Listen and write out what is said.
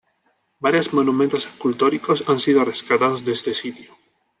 Varios monumentos escultóricos han sido rescatados de este sitio.